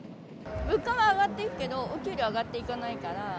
物価は上がっていくけど、お給料上がっていかないから。